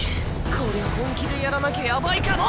こりゃ本気でやらなきゃやばいかも！